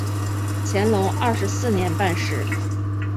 乾隆二十四年办事。